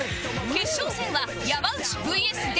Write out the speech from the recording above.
決勝戦は山内 ＶＳ ですよ。